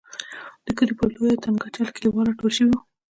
د کلي پر لویه تنګاچه کلیوال را ټول شوي وو.